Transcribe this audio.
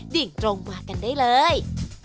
ดิ่งตรงมากันได้เลย